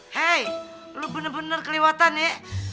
pakcik lo bener bener kelihatan ya